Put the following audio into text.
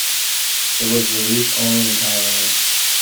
It was released only in Thailand.